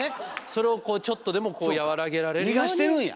それをこうちょっとでもこう和らげられるように。